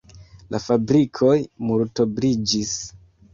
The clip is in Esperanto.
La fabrikoj multobliĝis.